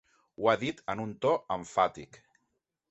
Ho ha dit en un to emfàtic.